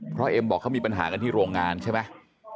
เพราะเอ็มบอกเขามีปัญหากันที่โรงงานใช่ไหม